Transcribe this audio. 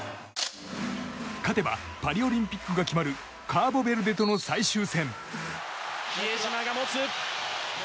勝てばパリオリンピックが決まるカーボベルデとの最終戦。